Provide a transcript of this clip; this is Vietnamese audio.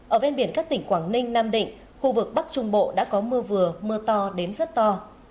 ở ven biển các tỉnh quảng ninh nam định khu vực bắc trung bộ đã có mưa vừa mưa to đến rất to